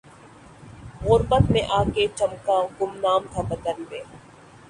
غربت میں آ کے چمکا گمنام تھا وطن میں